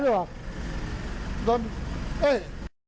โดนเอ้ย